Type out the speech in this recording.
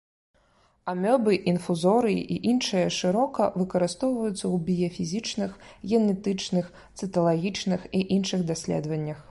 Амёбы, інфузорыі і іншыя шырока выкарыстоўваюцца ў біяфізічных, генетычных, цыталагічных і іншых даследаваннях.